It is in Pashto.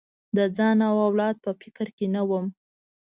د ځان او اولاد په فکر کې نه وم.